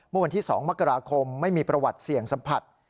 เมื่อวันที่๒มกราคมไม่มีประวัติเสี่ยงสัมผัส